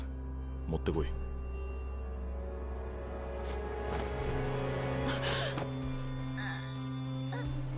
持ってこい。っ！あっ！